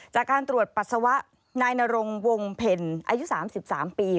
จากการตรวจปัสสาวะนายนรงวงเพลอายุ๓๓ปี